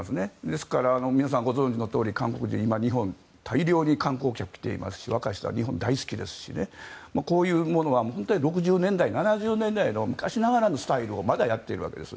ですから、皆さんご存じのとおり韓国人は日本に大量に観光客が来ていますし若い人は日本が大好きですからこういうものは本当に６０年代、７０年代の昔ながらのスタイルをまだやっているわけです。